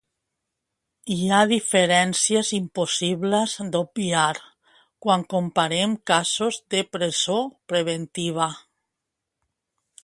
Hi ha diferències impossibles d'obviar quan comparem casos de presó preventiva.